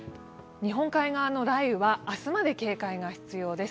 日本海側の雷雨は明日まで警戒が必要です。